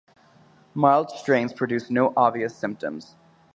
Mild strains produce no obvious symptoms.